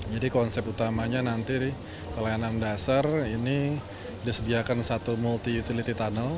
jadi konsep utamanya nanti pelayanan dasar ini disediakan satu multi utility tunnel